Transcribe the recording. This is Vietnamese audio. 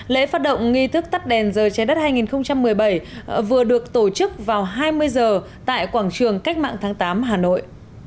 lễ phát động nghi thức tắt đèn rời trái đất hai nghìn một mươi bảy vừa được tổ chức vào hai mươi h tại quảng trường cách mạng tháng tám hà nội